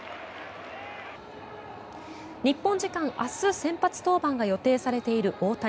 日本時間明日、先発登板が予定されている大谷。